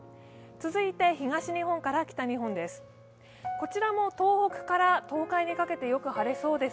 続いて東日本から北日本です。